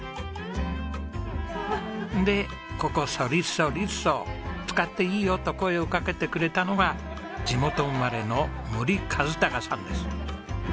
でここＳｏｒｒｉｓｏｒｉｓｏ使っていいよと声をかけてくれたのが地元生まれの森一峻さんです。